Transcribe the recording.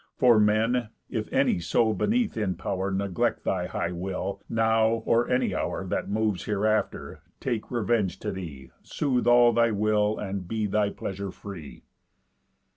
For men, if any so beneath in pow'r Neglect thy high will, now, or any hour That moves hereafter, take revenge to thee, Soothe all thy will, and be thy pleasure free."